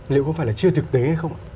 liệu có phải là chưa thực tế hay không ạ